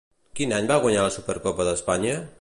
Quin any va guanyar la Supercopa d'Espanya?